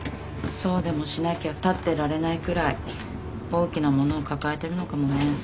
そうでもしなきゃ立ってられないくらい大きなものを抱えてるのかもね。